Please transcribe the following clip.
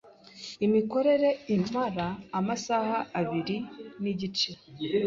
Imikorere imara amasaha abiri nigice.